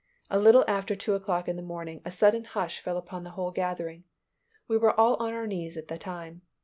A little after two o'clock in the morning a sudden hush fell upon the whole gathering; we were all on our knees at the time.